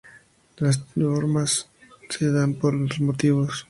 Estas formas se dan por dos motivos.